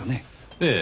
ええ。